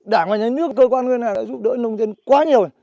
đảng và nhà nước cơ quan nguyên hạng đã giúp đỡ nông dân quá nhiều